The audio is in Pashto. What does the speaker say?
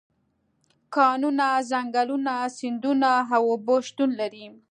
کانونه، ځنګلونه، سیندونه او اوبه شتون لري.